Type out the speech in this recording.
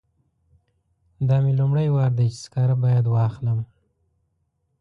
دا مې لومړی وار دی چې سکاره باید واخلم.